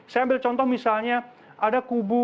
saya ambil contoh misalnya ada kubu dari kofifa dan emil dardak